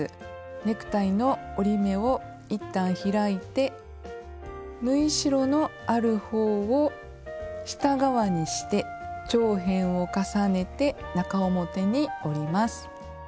ネクタイの折り目をいったん開いて縫い代のある方を下側にして長辺を重ねて中表に折ります。